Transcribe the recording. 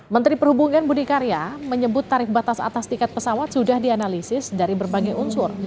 menteri perhubungan budi karya menyebut tarif batas atas tiket pesawat sudah dianalisis dari berbagai unsur